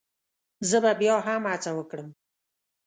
زه به بيا هم هڅه وکړم